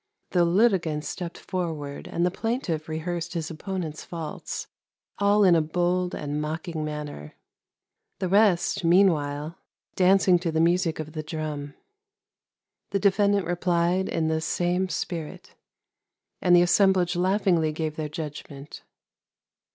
The litigants stepped forward and the plaintiff rehearsed his opponent's faults all in a bold and mocking manner; the rest meanwhile dancing to the music of the drum. The defendant replied in the same spirit, and the assemblage laugh ingly gave their judgment.